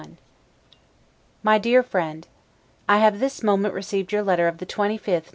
S. 1751. MY DEAR FRIEND: I have this moment received your letter of the 25th N.